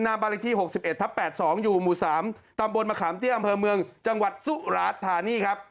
หน้าบ้านเลขที่๖๑ทับ๘๒อยู่หมู่๓ตำบลมะขามเตี้ยอำเภอเมืองจังหวัดสุราชธานีครับ